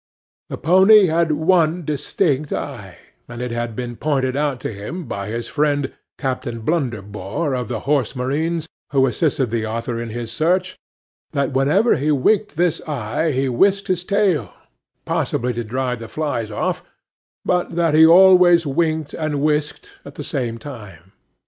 The pony had one distinct eye, and it had been pointed out to him by his friend Captain Blunderbore, of the Horse Marines, who assisted the author in his search, that whenever he winked this eye he whisked his tail (possibly to drive the flies off), but that he always winked and whisked at the same time.